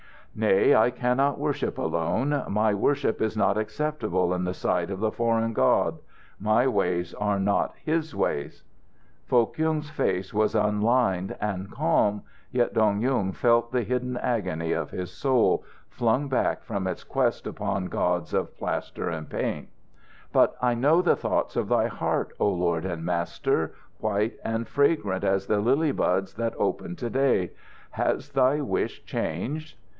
"Nay, I cannot worship alone. My worship is not acceptable in the sight of the foreign God. My ways are not his ways." Foh Kyung's face was unlined and calm, yet Dong Yung felt the hidden agony of his soul, flung back from its quest upon gods of plaster and paint. "But I know the thoughts of thy heart, O Lord and Master, white and fragrant as the lily buds that opened to day. Has thy wish changed?"